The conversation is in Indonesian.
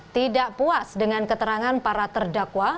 tidak puas dengan keterangan para terdakwa